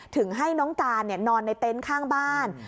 ถึงให้น้องการนอนในเต็นต์ข้างบ้าน